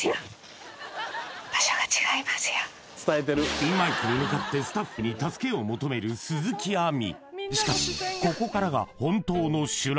ピンマイクに向かってスタッフに助けを求める鈴木亜美